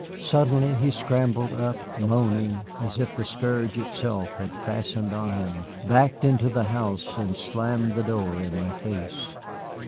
Suddenly he scrambled up, moaning, as if the scourge itself had fastened on him, backed into the house, and slammed the door in my face.